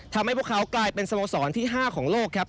ทำให้พวกเขากลายเป็นสโมสรที่๕ของโลกครับ